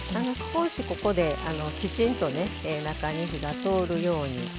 少しここできちんと中に火が通るように。